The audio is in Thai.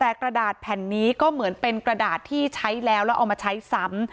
แต่กระดาษแผ่นนี้ก็เหมือนเป็นกระดาษที่ใช้แล้วแล้วเอามาใช้ซ้ำ